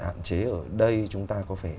hạn chế ở đây chúng ta có phải